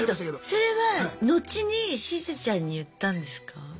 それは後にしずちゃんに言ったんですか？